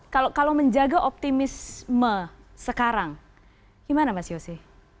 kalau menjaga optimisme sekarang gimana mas yose